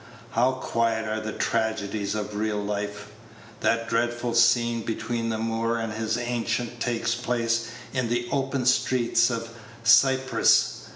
How quiet are the tragedies of real life! That dreadful scene between the Moor and his Ancient takes place in the open street of Cyprus.